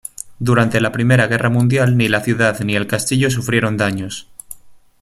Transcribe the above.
Durante la Primera Guerra Mundial ni la ciudad ni el castillo sufrieron daños.